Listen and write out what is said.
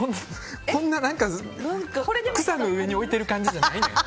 こんな、草の上に置いている感じじゃないねん。